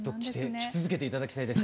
着続けて頂きたいです。